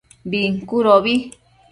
Bincudobi